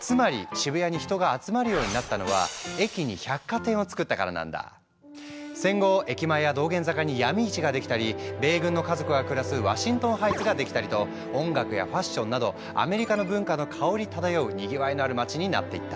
つまり渋谷に人が集まるようになったのは戦後駅前や道玄坂に闇市が出来たり米軍の家族が暮らすワシントンハイツが出来たりと音楽やファッションなどアメリカの文化の薫り漂うにぎわいのある街になっていった。